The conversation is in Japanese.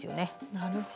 なるほど。